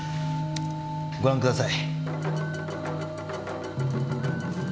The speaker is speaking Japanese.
ご覧ください。